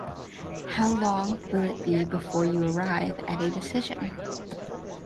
How long will it be before you arrive at a decision?